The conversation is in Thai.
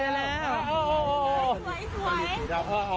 ไม่กลับจากรื่องล่อยเรา